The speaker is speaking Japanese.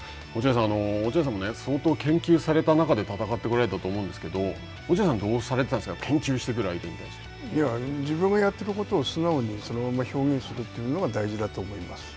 落合さん、相当研究された中で戦ってこられたと思うんですけど落合さんはどうされてたんですか、研究してくる相手に対して。自分がやってることを素直にそのまま表現するというのが大事だと思います。